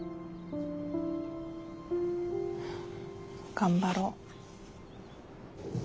頑張ろう。